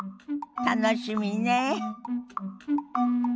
楽しみねえ。